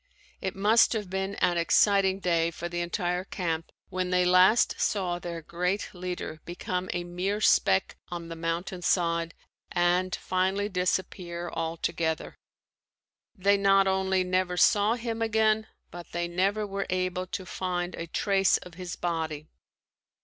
It must have been an exciting day for the entire camp when they last saw their great leader become a mere speck on the mountain side and finally disappear altogether. They not only never saw him again but they never were able to find a trace of his body.